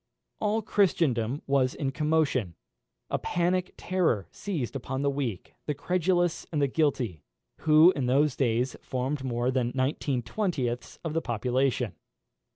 All Christendom was in commotion. A panic terror seized upon the weak, the credulous, and the guilty, who in those days formed more than nineteen twentieths of the population.